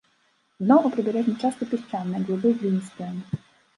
Дно ў прыбярэжнай частцы пясчанае, глыбей гліністае.